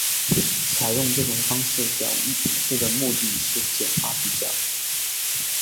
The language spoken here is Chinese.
采用这种方式表示的目的是简化比较。